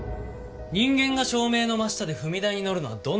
人間が照明の真下で踏み台に乗るのはどんな時か。